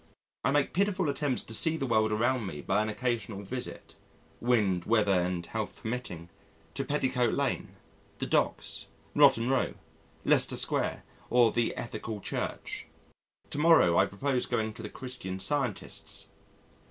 I make pitiful attempts to see the world around me by an occasional visit (wind, weather, and health permitting) to Petticoat Lane, the Docks, Rotten Row, Leicester Square, or the Ethical Church. To morrow I purpose going to the Christian Scientists'.